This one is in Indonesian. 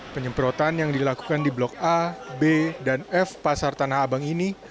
penyemprotan yang dilakukan di blok a b dan f pasar tanah abang ini